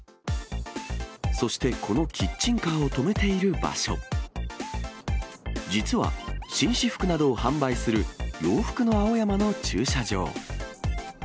そして、このキッチンカーを止めている場所、実は紳士服などを販売する、洋服の青山の駐車場。